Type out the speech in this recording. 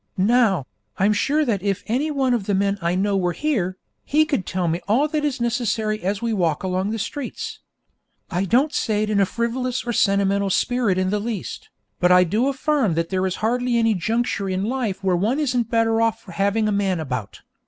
Now, I'm sure that if any one of the men I know were here, he could tell me all that is necessary as we walk along the streets. I don't say it in a frivolous or sentimental spirit in the least, but I do affirm that there is hardly any juncture in life where one isn't better off for having a man about.